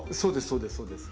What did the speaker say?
そうですそうです。